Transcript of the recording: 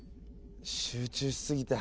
集中しすぎた。